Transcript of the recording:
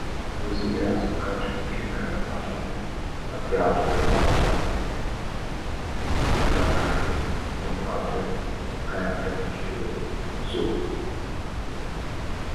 وزیراعظم کا چین کے کاروباری افراد پر پاکستان میں علاقائی دفاتر قائم کرنے کیلئے زور